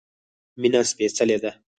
مينه سپيڅلی ده